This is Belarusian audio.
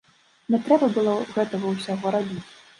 Не трэба было гэтага ўсяго рабіць!